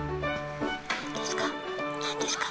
何ですか？